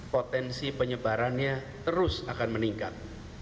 potensi penyebarannya terus akan meningkat